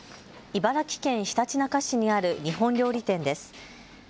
茨城県ひたちなか市にある日本料理店です。